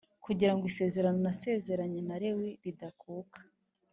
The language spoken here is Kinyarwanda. kugira ngo isezerano nasezeranye na Lewi ridakuka